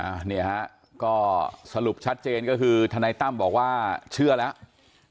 อันนี้ฮะก็สรุปชัดเจนก็คือทนายตั้มบอกว่าเชื่อแล้ว